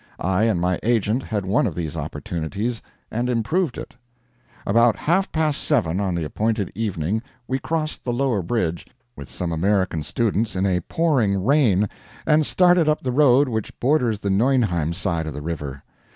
I and my agent had one of these opportunities, and improved it. About half past seven on the appointed evening we crossed the lower bridge, with some American students, in a pouring rain, and started up the road which borders the Neunheim side of the river.